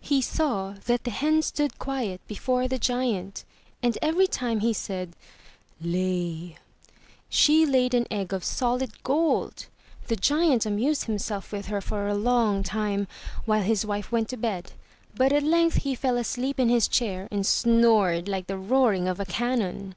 He saw that the hen stood quiet before the giant, and every time he said ''Lay!'* she laid an egg of solid gold. The giant amused himself with her for a long time, while his wife went to bed. But at length he fell asleep in his chair and snored like the roaring of a cannon.